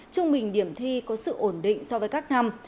trung bình điểm thi có sự ổn định so với các năm